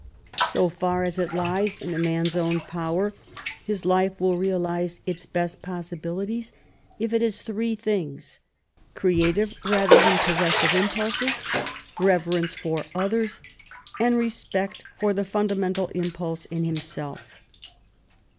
So far as it lies in a man's own power, his life will realize its best possibilities if it has three things: creative rather than possessive impulses, reverence for others, and respect for the fundamental impulse in himself.